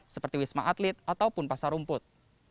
seperti wisma atlet ataupun pasar rumput